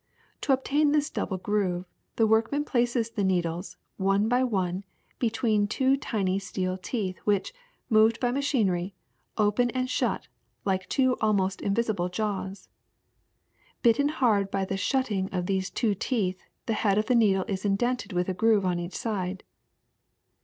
To obtain this double groove, the workman places the needles, one by one, between two tiny steel teeth which, moved by machinery, open and shut like two almost invisi ble jaws. Bitten hard by the shutting of these two teeth, the head of the needle is indented with a groove on each side.